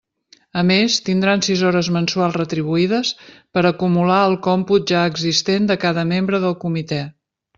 A més, tindran sis hores mensuals retribuïdes per acumular al còmput ja existent de cada membre del comitè.